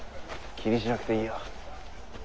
気にしなくていいよ。